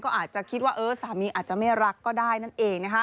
ก็อาจจะคิดว่าสามีอาจจะไม่รักก็ได้นั่นเองนะคะ